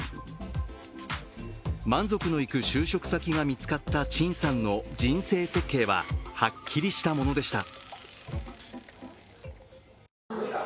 満足のいく就職先が見つかった沈さんの人生設計ははっきりしたものでした。